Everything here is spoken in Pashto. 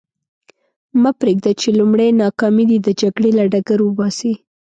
مه پرېږده چې لومړۍ ناکامي دې د جګړې له ډګر وباسي.